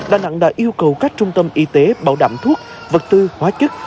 đà nẵng đã yêu cầu các trung tâm y tế bảo đảm thuốc vật tư hóa chất